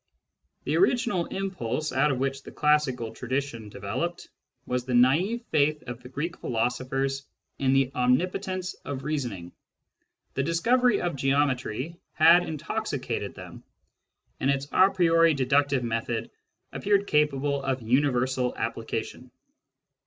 The original impulse out of which the classical tradition developed was the naive faith of the Greek philosophers in the omnipotence of reasoning. The discovery of geometry had intoxicated them, and its a priori deductive method appeared capable of universal application.